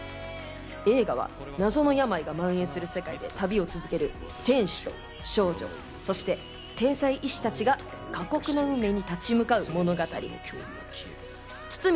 映画は謎の病がまん延する世界で旅を続ける戦士と少女、そして天才医師たちが過酷な運命に立ち向かう物語です。